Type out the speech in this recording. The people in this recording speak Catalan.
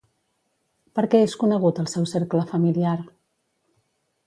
Per què és conegut el seu cercle familiar?